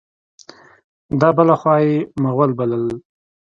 دا بله خوا یې مغل بلل.